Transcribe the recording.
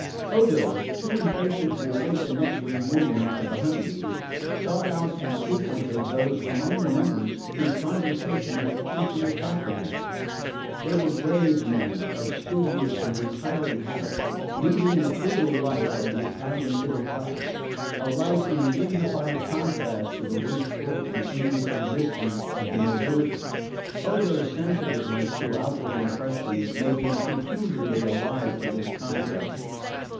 Odo, too impatient to await the next reunion of the Honey Bees, sought out and frequented those among the members whose conversation had chiefly attracted him. They were grave men, of studious and retiring habit, leading the frugal life of the Italian middle class, a life in dignified contrast to the wasteful and aimless existence of the nobility. Odo's sensitiveness to outward impressions made him peculiarly alive to this contrast.